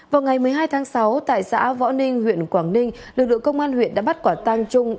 vào ngày một mươi hai tháng sáu tại xã võ ninh huyện quảng ninh lực lượng công an huyện đã bắt quả tang trung